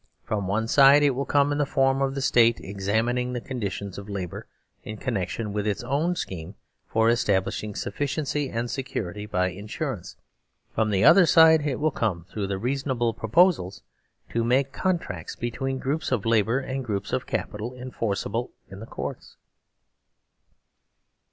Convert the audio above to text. From the one side it willcome in the form of the State examining the con ditions of labour in connection with its own schemes for establishing sufficiency and security by insurance. From the other side it will come through the reason able proposals to make contracts between groups of labour and groups of capital enforceablein the Courts.